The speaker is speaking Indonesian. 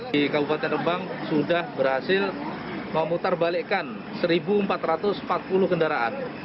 di kabupaten rembang sudah berhasil memutar balikkan satu empat ratus empat puluh kendaraan